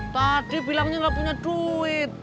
tadi bilangnya nggak punya duit